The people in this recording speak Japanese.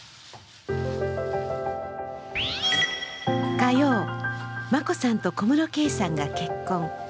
火曜、眞子さんと小室圭さんが結婚。